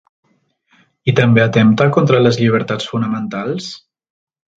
I també atempta contra les llibertats fonamentals?